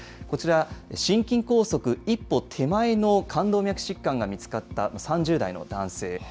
こちら、心筋梗塞一歩手前の冠動脈疾患が見つかった３０代の男性。